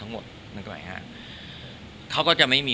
เห็นมาอยู่ทุกคนในนี้